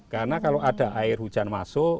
karena kalau ada air hujan masuk